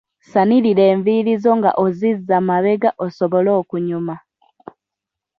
Sanirira enviiri zo nga ozizza mabega osobole okunyuma.